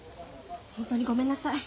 ホントにごめんなさい。